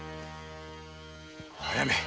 あやめ。